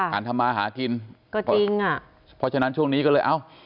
ทำมาหากินก็จริงอ่ะเพราะฉะนั้นช่วงนี้ก็เลยเอ้า